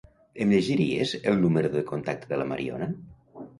Em llegiries el número de contacte de la Mariona?